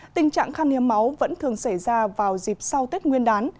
tình trạng khăn hiếm máu vẫn thường xảy ra vào dịp sau tết nguyên đán